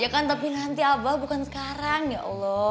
ya kan tapi nanti abah bukan sekarang ya allah